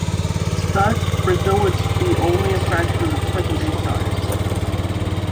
Thus, Brazil would be only a fraction of its present-day size.